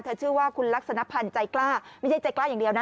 ชื่อว่าคุณลักษณะพันธ์ใจกล้าไม่ใช่ใจกล้าอย่างเดียวนะ